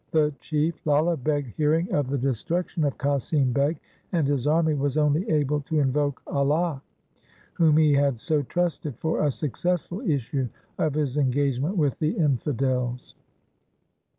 The Chief, Lala Beg, hearing of the destruction of Qasim Beg and his army, was only able to invoke Allah, whom he had so trusted, for a successful issue of his engagement with the infidels.